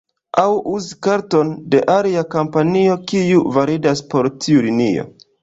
Aŭ uzi karton de alia kompanio, kiu validas por tiu linio.